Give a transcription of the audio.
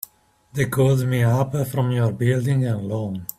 They called me up from your Building and Loan.